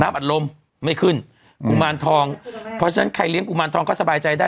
อัดลมไม่ขึ้นกุมารทองเพราะฉะนั้นใครเลี้ยงกุมารทองก็สบายใจได้